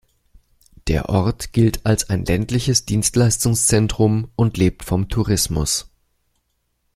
Der Ort gilt als ein ländliches Dienstleistungszentrum und lebt vom Tourismus.